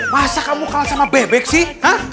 masa kamu kalah sama bebek siha